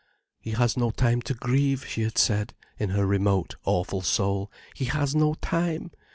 "He has no time to grieve," she had said, in her remote, awful soul. "He has no time.